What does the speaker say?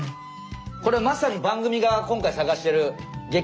これまさに番組が今回探してる激